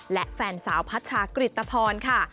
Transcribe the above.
และแฟนสาวพัชชากริตภรค่ะ